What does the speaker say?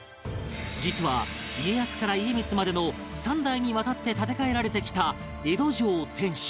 実は家康から家光までの３代にわたって建て替えられてきた江戸城天守